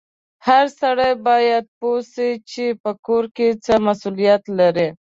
هر سړی باید پوه سي چې په کور کې څه مسولیت لري